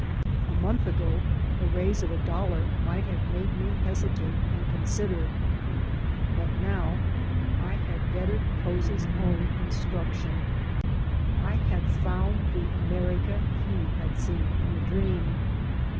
A month ago a raise of a dollar might have made me hesitate and consider. But now I had bettered Couza's own instruction. I had found the America he had seen in a dream.